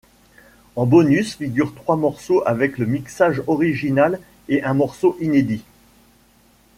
En bonus figurent trois morceaux avec le mixage original, et un morceau inédit.